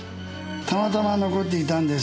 たまたま残っていたんですよ。